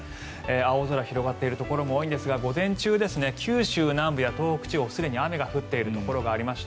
青空広がっているところも多いんですが午前中、九州南部や東北地方すでに雨が降っているところがありました。